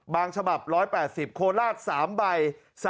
บางฉบับ๑๘๐โคลาส๓ใบ๓๕๐